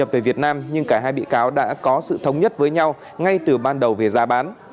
về việt nam nhưng cả hai bị cáo đã có sự thống nhất với nhau ngay từ ban đầu về giá bán